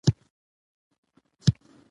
هغومره ورسره یو هېواد بېوزله کېږي.